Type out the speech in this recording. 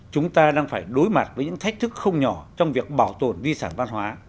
chúng ta đang phải đối mặt với những thách thức không nhỏ trong việc bảo tồn di sản văn hóa